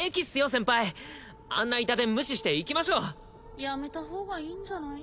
先輩あんなイタ電無視して行きましょうやめたほうがいいんじゃない？